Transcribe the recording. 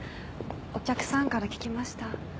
お客さんから聞きました。